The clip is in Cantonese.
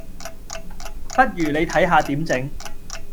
不如你睇下點整